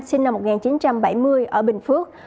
sinh năm một nghìn chín trăm bảy mươi ở bình phước